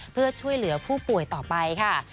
เพื่อช่วยเหลือผู้ป่วยต่อไปค่ะ